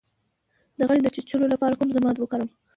د غڼې د چیچلو لپاره کوم ضماد وکاروم؟